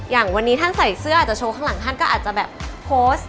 อย่างวันนี้ท่านใส่เสื้ออาจจะโชว์ข้างหลังท่านก็อาจจะแบบโพสต์